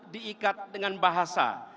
diikat dengan bahasa